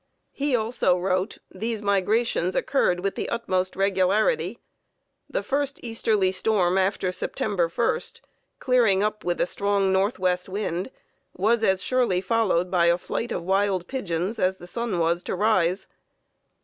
He also wrote: "These migrations occurred with the utmost regularity. The first easterly storm after September 1st, clearing up with a strong northwest wind, was as surely followed by a flight of wild pigeons as the sun was to rise.